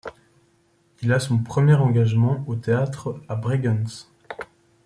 Il a son premier engagement au théâtre à Bregenz.